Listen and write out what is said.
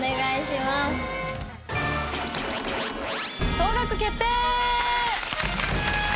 登録決定！